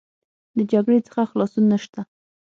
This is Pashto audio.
د جګړې څخه خلاصون نشته.